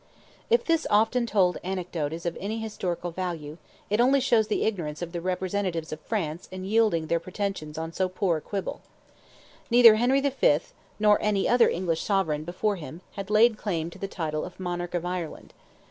If this often told anecdote is of any historical value, it only shows the ignorance of the representatives of France in yielding their pretensions on so poor a quibble. Neither Henry V., nor any other English sovereign before him, had laid claim to the title of "Monarch of Ireland."